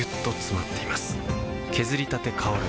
削りたて香る